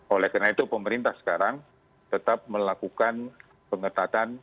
oleh karena itu pemerintah sekarang tetap melakukan pengetatan